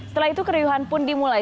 setelah itu keriuhan pun dimulai